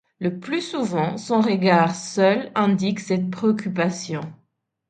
Le plus souvent, son regard seul indique cette préoccupation.